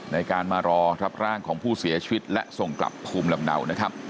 ในการมารอรับร่างของผู้เสียชีวิตและส่งกลับภูมิลำเนานะครับ